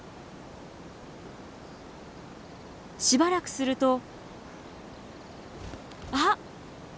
しばらくするとあっ！